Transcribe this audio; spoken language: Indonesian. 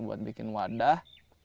buat bikin wadah